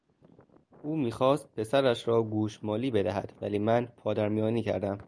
او میخواست پسرش را گوشمالی بدهد ولی من پا در میانی کردم.